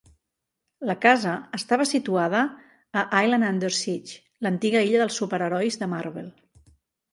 La casa estava situada a "Island under Siege", l'antiga illa dels superherois de Marvel.